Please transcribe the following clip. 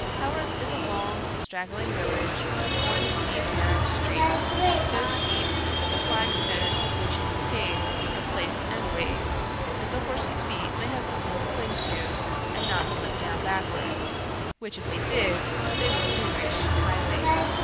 Haworth is a long, straggling village one steep narrow street so steep that the flag stones with which it is paved are placed end ways, that the horses' feet may have something to cling to, and not slip down backwards; which if they did, they would soon reach Keighley.